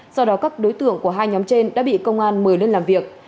sau đó các đối tượng của hai nhóm trên đã bị công an mời lên làm việc